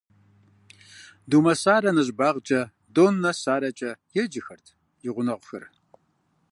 Думэсарэ нэщӏыбагъкӏэ «Доннэ Саракӏэ» еджэхэрт и гъунэгъухэр.